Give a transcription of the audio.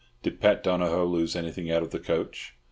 "Did Pat Donohoe lose anything out of the coach?"